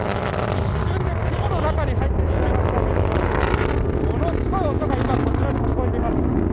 一瞬で雲の中に入ってしまいましたが、ものすごい音が今こちらに聞こえています。